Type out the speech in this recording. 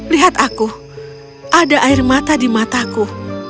lihat aku ada air mata di mataku